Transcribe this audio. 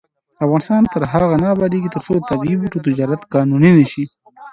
افغانستان تر هغو نه ابادیږي، ترڅو د طبیعي بوټو تجارت قانوني نشي.